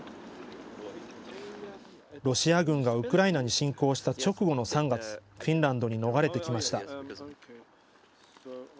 ロシア軍がウクライナに侵攻した直後の３月フィンランドに逃れてきました。